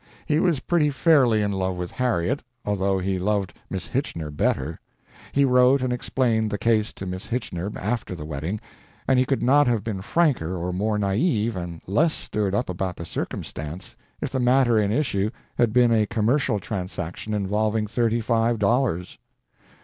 He was pretty fairly in love with Harriet, although he loved Miss Hitchener better. He wrote and explained the case to Miss Hitchener after the wedding, and he could not have been franker or more naive and less stirred up about the circumstance if the matter in issue had been a commercial transaction involving thirty five dollars.